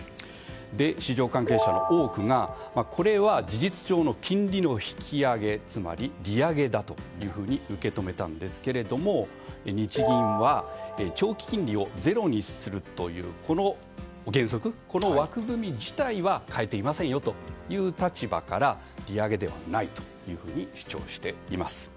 市場関係者の多くがこれは事実上の金利の引き上げつまり、利上げだと受け止めたんですけれども日銀は、長期金利をゼロにするというこの原則、この枠組み自体は変えていませんよという立場から利上げではないと主張しています。